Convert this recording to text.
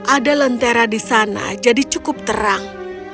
ada lentera di sana jadi cukup terang